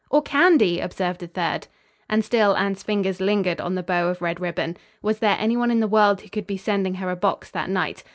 "Or candy," observed a third. And still Anne's fingers lingered on the bow of red ribbon. Was there anyone in the world who could be sending her a box that night?